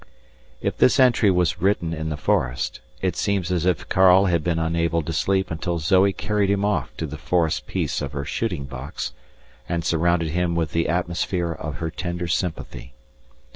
"_ _If this entry was written in the forest, it seemed as if Karl had been unable to sleep until Zoe carried him off to the forest peace of her shooting box and surrounded him with the atmosphere of her tender sympathy.